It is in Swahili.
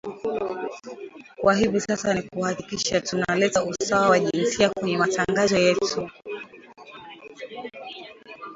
kwa hivi sasa ni kuhakikisha tuna leta usawa wa jinsia kwenye matangazo yetu